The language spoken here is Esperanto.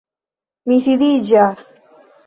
Mi sidiĝas.